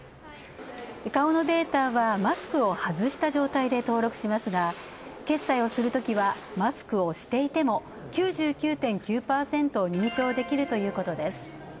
顔のデータはマスクをはずした状態で登録しますが決済をするときはマスクをしていても、９９．９％認証できるということです。